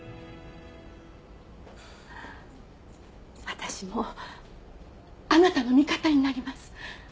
私もあなたの味方になります。